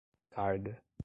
carga